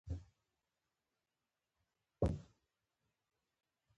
او ټاکل سوې ده چي د سنګکارۍ ټولي چاري